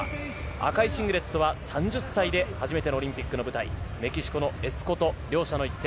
赤いシングレットは３０歳で初めてのオリンピックの舞台、メキシコのエスコト、両者の一戦。